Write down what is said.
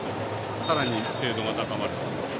さらに精度が高まると。